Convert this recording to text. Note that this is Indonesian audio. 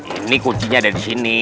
ini kuncinya ada di sini